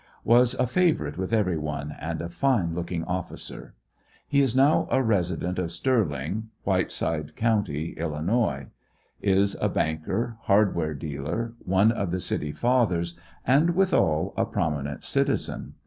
Was a favor ite with every one, and a fine looking officer. He is now a resident of Sterling, Whiteside Co., III. Is a banker, hardware dealer, one of the City Fathers, and withal a prominent citizen.